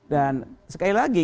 dan sekali lagi